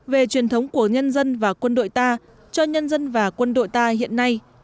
về truyền thống của nhân dân và quân đội ta cho nhân dân và quân đội ta hiện nay